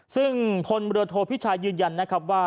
ซึ่งพลเรือโทพิชายยืนยันนะครับว่า